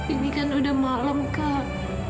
ini kan udah malam kak